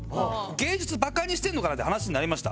芸術バカにしてんのかなんて話になりました。